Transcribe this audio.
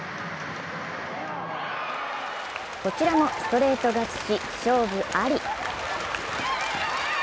こちらもストレート勝ちし勝負あり。